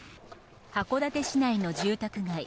函館市内の住宅街。